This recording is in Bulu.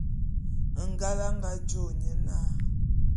Ngal a nga jô nye na.